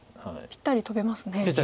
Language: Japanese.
ぴったりトベますよね。